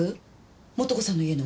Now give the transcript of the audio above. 素子さんの家の？